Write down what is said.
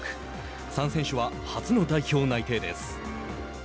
３選手は初の代表内定です。